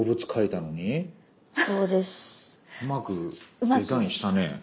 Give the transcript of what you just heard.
うまくデザインしたね。